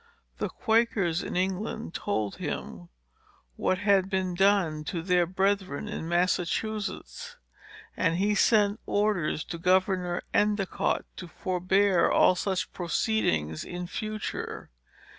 The Quakers in England told him what had been done to their brethren in Massachusetts; and he sent orders to Governor Endicott to forbear all such proceedings in future.